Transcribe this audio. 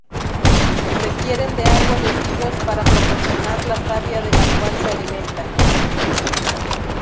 Requieren de árboles vivos para proporcionar la savia de la cual se alimentan.